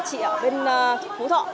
chị ở bên hú thọ